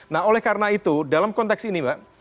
nah oleh karena itu dalam konteks ini mbak